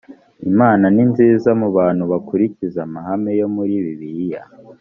imana ni nziza mu bantu bakurikiza amahame yo muri bibiliya